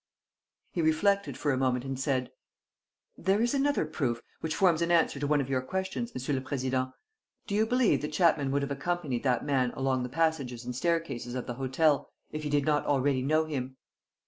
He reflected for a moment and said: "There is another proof, which forms an answer to one of your questions, Monsieur le Président: Do you believe that Chapman would have accompanied that man along the passages and staircases of the hotel if he did not already know him?"